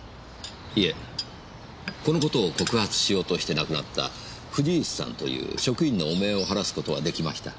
いえこのことを告発しようとして亡くなった藤石さんという職員の汚名を晴らすことはできました。